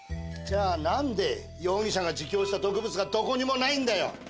じゃあ何で容疑者が自供した毒物がどこにもないんだよ？